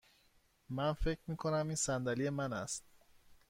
فکر می کنم این صندلی من است.